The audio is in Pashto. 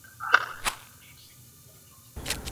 ولي ملي سوداګر کیمیاوي سره له ایران څخه واردوي؟